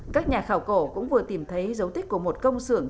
các nhà khảo cổ cũng vừa tìm thấy dấu tích của một công sưởng